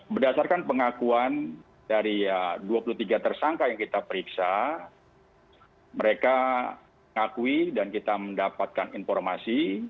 berdasarkan pengakuan dari dua puluh tiga tersangka yang kita periksa mereka ngakui dan kita mendapatkan informasi